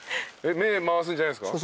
目回すんじゃないですか？